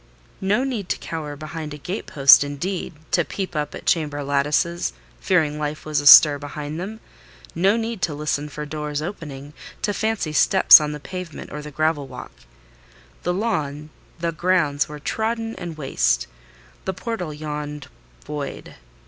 No need to cower behind a gate post, indeed!—to peep up at chamber lattices, fearing life was astir behind them! No need to listen for doors opening—to fancy steps on the pavement or the gravel walk! The lawn, the grounds were trodden and waste: the portal yawned void.